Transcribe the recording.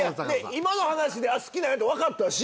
今の話で好きなんやってわかったし。